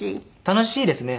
楽しいですね。